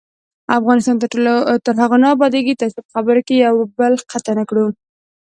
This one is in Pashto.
افغانستان تر هغو نه ابادیږي، ترڅو په خبرو کې یو بل قطع نکړو.